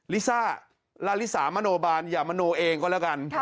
ลิซ่าลาลิสามโนบาลอย่ามโนเองก็แล้วกัน